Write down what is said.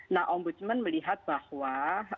nah ombudsman melihat bahwa